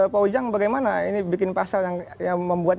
pak ujang bagaimana ini bikin pasal yang membuat